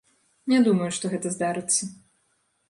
Не думаю, што гэта здарыцца.